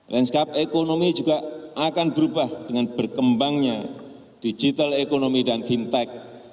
landscape ekonomi juga akan berubah dengan berkembangnya digital ekonomi dan fintech